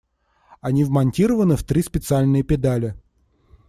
Они вмонтированы в три специальные педали.